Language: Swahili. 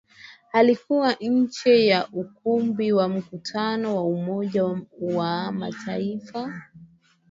Alikuwa nje ya Ukumbi wa mikutano wa Umoja wa Mataifa